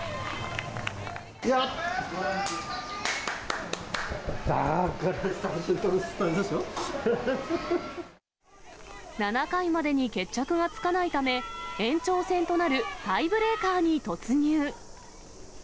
やったあ、７回までに決着がつかないため、延長戦となる、タイブレーカーに突入。